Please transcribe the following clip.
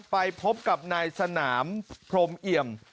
ไปพบกับนายสนามพรมเอี่ยม